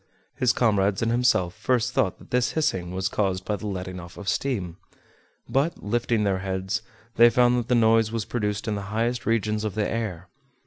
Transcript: His comrades and himself first thought that this hissing was caused by the letting off of steam; but lifting their heads, they found that the noise was produced in the highest regions of the air.